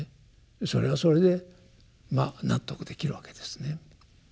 それはそれでまあ納得できるわけですね。